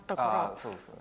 そうですよね。